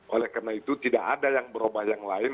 oleh karena itu tidak ada yang berubah yang lain